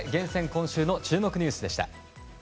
今週の注目ニュースでした。